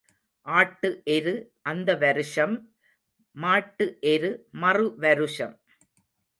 ஆட்டு எரு அந்த வருஷம் மாட்டு எரு மறு வருஷம்.